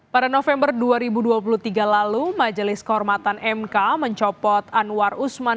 pada november dua ribu dua puluh tiga lalu majelis kehormatan mk mencopot anwar usman